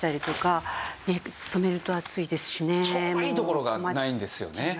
ちょうどいいところがないんですよね。